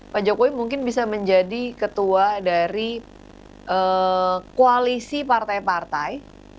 pak jokowi mungkin bisa menjadi ketua dari koalisi partai partai